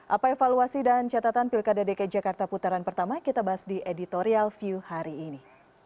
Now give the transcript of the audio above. apa evaluasi dan catatan pilkada dki jakarta putaran pertama kita bahas di editorial view hari ini